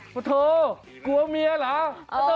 พ่อโทษกลัวเมียเหรอ